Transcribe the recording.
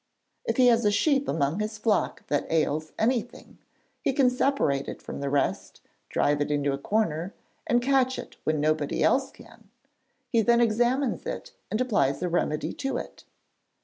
If he has a sheep among his flock that ails anything, he can separate it from the rest, drive it into a corner, and catch it when nobody else can; he then examines it, and applies a remedy to it.